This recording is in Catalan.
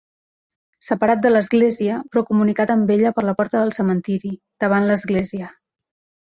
Separat de l'església però comunicat amb ella per la porta del cementiri, davant l'església.